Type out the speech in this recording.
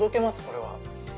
これは。